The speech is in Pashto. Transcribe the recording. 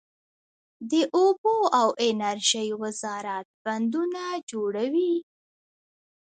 د اوبو او انرژۍ وزارت بندونه جوړوي؟